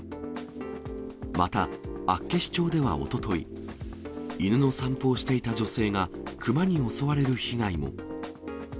また、厚岸町ではおととい、犬の散歩をしていた女性がクマに襲われる被害も。